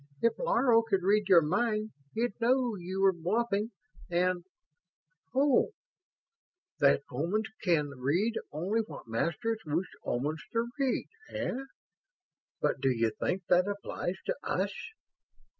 If Laro could read your mind, he'd know you were bluffing and ... Oh, that 'Omans can read only what Masters wish Omans to read', eh? But d'you think that applies to us?"